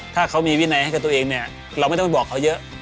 ถ้าเขามีวินัยให้กับตัวเองเนี่ยเราไม่ต้องไปบอกเขาเยอะ